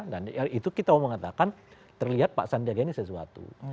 dan itu kita mau mengatakan terlihat pak sandiaga ini sesuatu